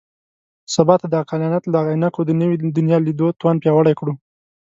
سبا ته د عقلانیت له عینکو د نوي دنیا لیدو توان پیاوړی کړو.